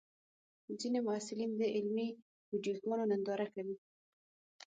ځینې محصلین د علمي ویډیوګانو ننداره کوي.